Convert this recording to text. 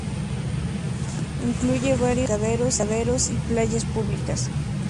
Incluye varios embarcaderos y playas públicas.